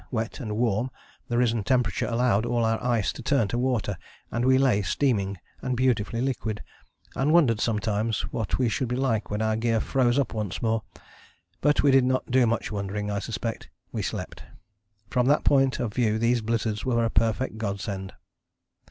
Wet and warm, the risen temperature allowed all our ice to turn to water, and we lay steaming and beautifully liquid, and wondered sometimes what we should be like when our gear froze up once more. But we did not do much wondering, I suspect: we slept. From that point of view these blizzards were a perfect Godsend.